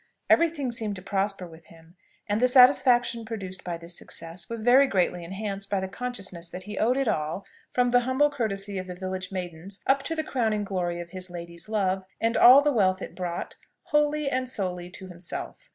Every thing seemed to prosper with him; and the satisfaction produced by this success was very greatly enhanced by the consciousness that he owed it all, from the humble courtesy of the village maidens up to the crowning glory of his lady's love, and all the wealth it brought, wholly and solely to himself.